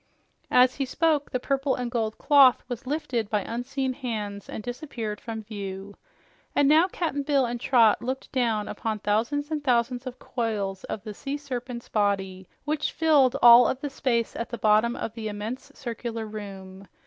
As he spoke, the purple and gold cloth was lifted by unseen hands and disappeared from view. And now Cap'n Bill and Trot looked down upon thousands and thousands of coils of the sea serpent's body, which filled all of the space at the bottom of the immense circular room.